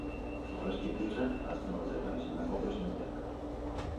Aurrezki kutxak azken urteetan izandako presidenteak.